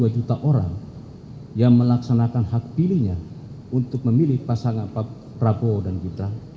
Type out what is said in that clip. enam dua juta orang yang melaksanakan hak pilihnya untuk memilih pasangan prabowo dan gita